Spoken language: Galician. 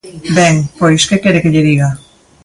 Ben, pois, ¿que quere que lle diga?